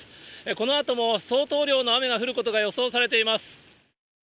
このあとも相当量の雨が降ることが予想されています。